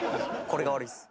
これが悪いっす。